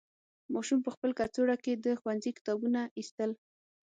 ماشوم په خپل کڅوړه کې د ښوونځي کتابونه ایستل.